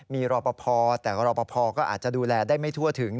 มีรอปภแต่รอปภก็อาจจะดูแลได้ไม่ทั่วถึง